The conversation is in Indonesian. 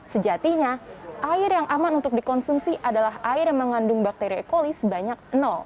sejatinya air yang aman untuk dikonsumsi adalah air yang mengandung bakteri ekolis sebanyak